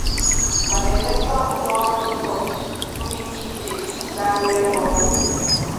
ma kelekwa ụlọọrụ ngo dị icheiche so arụ ya bụ ọrụ